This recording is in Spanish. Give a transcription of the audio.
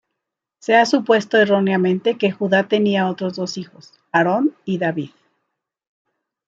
Se ha supuesto erróneamente que Judá tenía otros dos hijos, Aarón, y David.